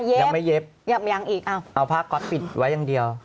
ยังไม่เย็บเอาผ้าก๊อตปิดไว้อย่างเดียว